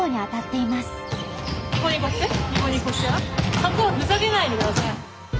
そこはふざけないでください！